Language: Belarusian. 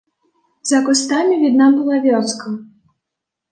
За кустамі відна была вёска.